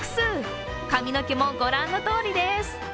髪の毛も御覧のとおりです。